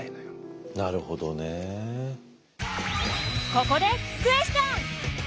ここでクエスチョン！